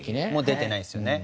出てないですよね。